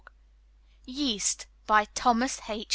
Zelmer YEAST By Thomas H.